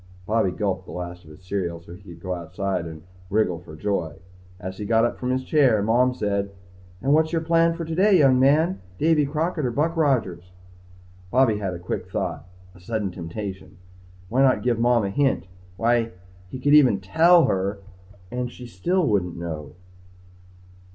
_ Bobby gulped the last of his cereal so he could go outside and wriggle for joy. As he got up from his chair, Mom said, "And what's your plan for today, young man? Davy Crockett or Buck Rogers?" Bobby had a quick thought a sudden temptation. Why not give Mom a hint? Why he could even tell her and she still wouldn't know.